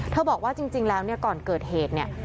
บอกว่าจริงแล้วเนี่ยก่อนเกิดเหตุเนี่ย